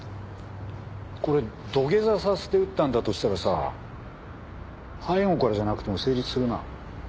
これ土下座させて撃ったんだとしたらさ背後からじゃなくても成立するな。